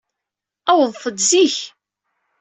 Awḍet-d zik.